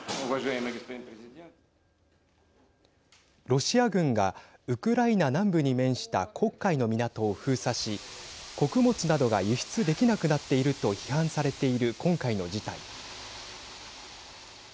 ロシア軍がウクライナ南部に面した黒海の港を封鎖し穀物などが輸出できなくなっていると批判されている今回の事態。